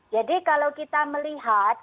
jadi kalau kita melihat